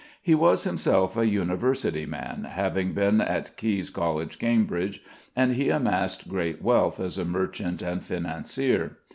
He was himself a university man, having been at Caius College, Cambridge, and he amassed great wealth as a merchant and financier.